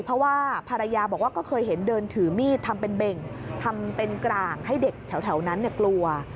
เพราะว่าภรรยาบอกว่าก็เคยเห็นเดินถือมีดทำเป็นเบ่งทำเป็นกลางให้เด็กแถวนั้นกลัว